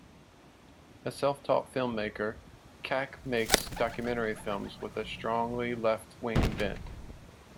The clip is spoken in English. A self-taught film-maker, Kak makes documentary films with a strongly left-wing bent.